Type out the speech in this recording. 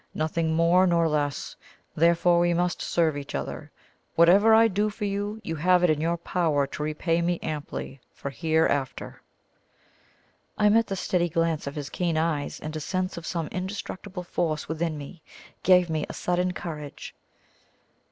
Nothing more nor less. Therefore we must serve each other. Whatever I do for you, you have it in your power to repay me amply for hereafter." I met the steady glance of his keen eyes, and a sense of some indestructible force within me gave me a sudden courage.